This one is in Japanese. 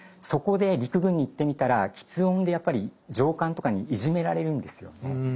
そこで陸軍に行ってみたら吃音でやっぱり上官とかにいじめられるんですよね。